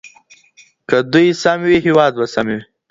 که دوی سم وي هېواد به سم وي.